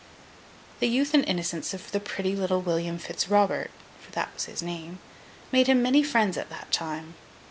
The youth and innocence of the pretty little William Fitz Robert (for that was his name) made him many friends at that time.